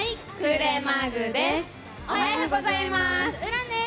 おはようございます。